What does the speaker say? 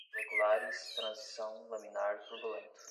moleculares, transição, laminar, turbulento